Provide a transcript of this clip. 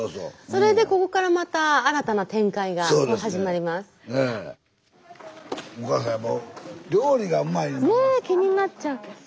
それでここからまた新たな展開が始まります。